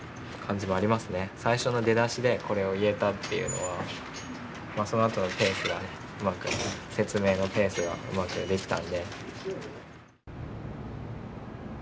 最初の出だしでこれを言えたっていうのはそのあとの説明のペースがうまくできたんで。